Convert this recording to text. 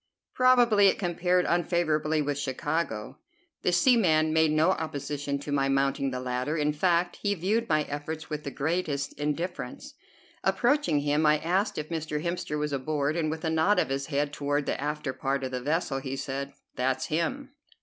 Probably it compared unfavorably with Chicago. The seaman made no opposition to my mounting the ladder; in fact he viewed my efforts with the greatest indifference. Approaching him, I asked if Mr. Hemster was aboard, and with a nod of his head toward the after part of the vessel he said, "That's him."